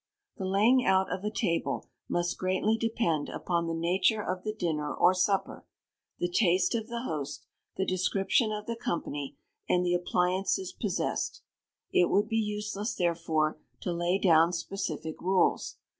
The laying out of a table must greatly depend upon the nature of the dinner or supper, the taste of the host, the description of the company, and the appliances possessed. It would be useless, therefore, to lay down specific rules.